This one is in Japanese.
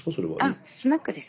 あスナックです。